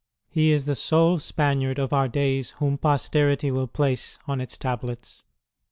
He is tlie sole Spaniard of our days whom posterity will place on its tablets.